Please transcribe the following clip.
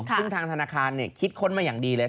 ซึ่งทางธนาคารคิดค้นมาอย่างดีเลย